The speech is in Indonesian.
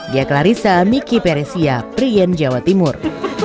dia clarissa miki peresia prien jawa timur